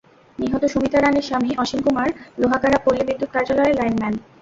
নিহত সুমিতা রানীর স্বামী অসীম কুমার লোহাগাড়া পল্লী বিদ্যুৎ কার্যালয়ের লাইনম্যান।